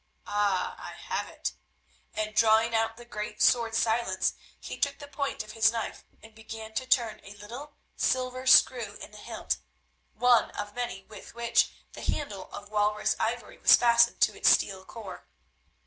Ah! I have it," and, drawing out the great sword Silence, he took the point of his knife and began to turn a little silver screw in the hilt, one of many with which the handle of walrus ivory was fastened to its steel core.